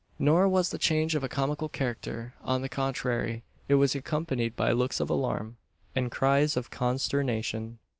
Nor was the change of a comical character. On the contrary, it was accompanied by looks of alarm, and cries of consternation!